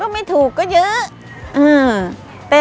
ไม่ถูกก็เยอะ